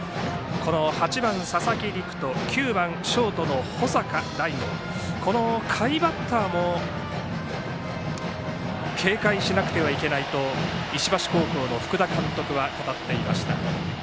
８番、佐々木陸仁と９番ショートの保坂大悟というこの下位バッターも警戒しなくてはいけないと石橋高校の福田監督は語っていました。